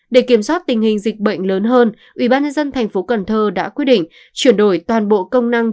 để kiểm soát tình hình dịch bệnh lớn hơn ubnd tp cần thơ đã quyết định chuyển đổi toàn bộ công năng